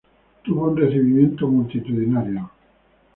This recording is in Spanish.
Tuvo un recibimiento multitudinario.